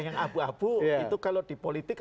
yang abu abu itu kalau di politik